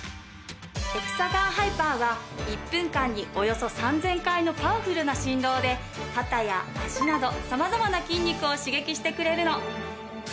エクサガンハイパーは１分間におよそ３０００回のパワフルな振動で肩や足など様々な筋肉を刺激してくれるの。